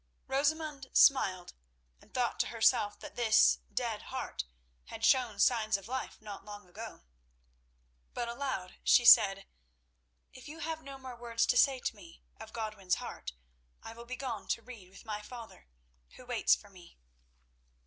Rosamund smiled, and thought to herself that this dead heart had shown signs of life not long ago. But aloud she said: "If you have no more to say to me of Godwin's heart, I will begone to read with my father, who waits for me."